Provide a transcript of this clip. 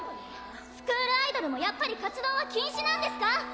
スクールアイドルもやっぱり活動は禁止なんですか